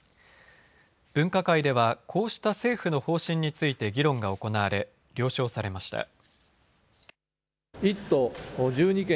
分科会ではこうした政府の方針について議論が行われ了承されました。